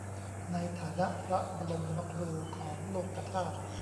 ในฐานะพระบรมครูของโลกธาตุ